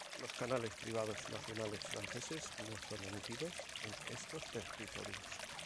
Los canales privados nacionales franceses no son emitidos en estos territorios.